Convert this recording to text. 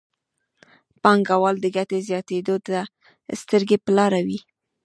پانګوال د ګټې زیاتېدو ته سترګې په لاره وي.